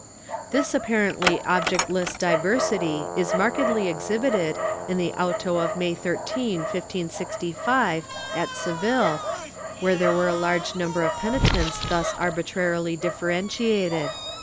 This apparently objectless diversity is markedly exhibited in the auto of May 13, 1565, at Seville, where there were a large number of penitents thus arbitrarily differentiated.